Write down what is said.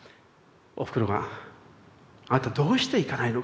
おふくろが「あなたどうして行かないの？